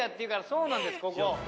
そうなんですここ。